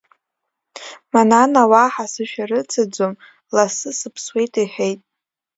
Манана уаҳа сзышәарыцаӡом, лассы сыԥсуеит иҳәеит.